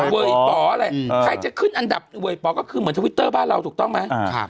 เวยป๋ออะไรใครจะขึ้นอันดับเวยป๋อก็คือเหมือนทวิตเตอร์บ้านเราถูกต้องไหม